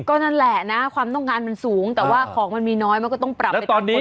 ก็นั่นแหละนะความต้องการมันสูงแต่ว่าของมันมีน้อยมันก็ต้องปรับไปตอนนี้